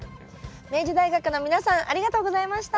明治大学の皆さんありがとうございました。